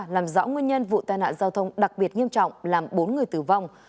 làm rõ nguyên nhân vụ tai nạn giao thông đặc biệt nghiêm trọng làm bốn người tử vong